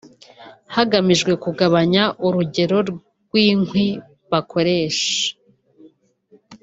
hagamijwe kugabanya urugero rw’inkwi bakoresha